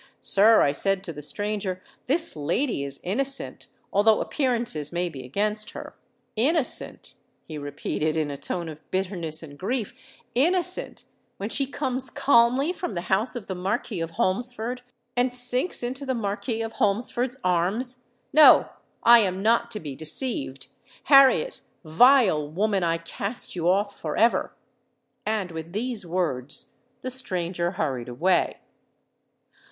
—'Sir,' I said to the stranger, 'this lady is innocent, although appearances may be against her.'—'Innocent!' he repeated, in a tone of bitterness and grief: '_innocent when she comes calmly from the house of the Marquis of Holmesford, and sinks into the Marquis of Holmesford's arms! No: I am not to be deceived! Harriet, vile woman, I cast you off for ever!_'—And, with these words, the stranger hurried away."